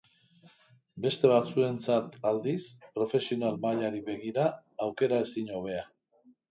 Beste batzuentzat, aldiz, profesional mailari begira, aukera ezin hobea.